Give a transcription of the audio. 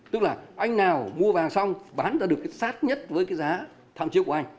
tức là anh nào mua vàng xong bán ra được cái sát nhất với cái giá thậm chí của anh